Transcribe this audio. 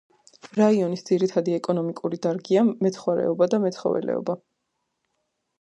რაიონის ძირითადი ეკონომიკური დარგია მეცხვარეობა და მეცხოველეობა.